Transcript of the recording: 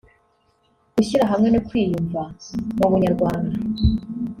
gushyira hamwe no kwiyumva mu Bunyarwanda